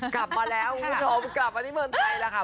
กลับมาแล้วคุณผู้ชมกลับมาที่เมืองไทยแล้วค่ะ